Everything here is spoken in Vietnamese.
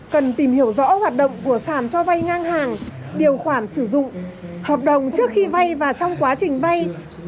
cần tìm hiểu rõ hoạt động của sản cho vay ngang hàng điều khoản sử dụng hợp đồng trước khi vay và trong quá trình vay